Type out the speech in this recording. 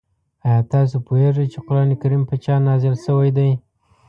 آیا تاسو پوهېږئ چې قرآن کریم په چا نازل شوی دی؟